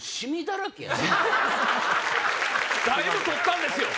だいぶ取ったんですよ。